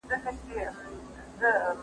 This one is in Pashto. دا لس کورونه دي.